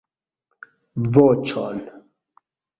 .... voĉon.